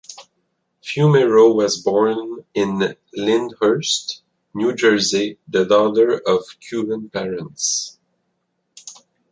Fumero was born in Lyndhurst, New Jersey, the daughter of Cuban parents.